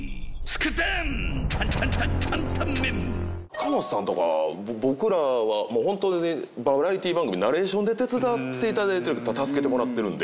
若本さんとかは僕らはもう本当にバラエティ番組のナレーションで手伝っていただいて助けてもらってるんで。